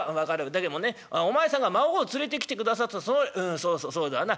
だけどねお前さんが孫を連れてきてくださったそのうんそうそうそうだな。